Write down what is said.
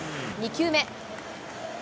２球目。